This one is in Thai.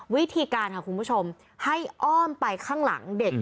วิธีการค่ะคุณผู้ชมให้อ้อมไปข้างหลังเด็ก